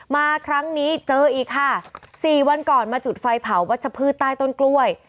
มาครั้งนี้เจออีกค่ะ๔วันก่อนมาจุดไฟเผาวัชพืชใต้ต้นกล้วย